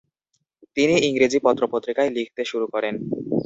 তিনি ইংরেজি পত্রপত্রিকায় লিখতে শুরু করেন।